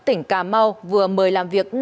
tỉnh cà mau vừa mời làm việc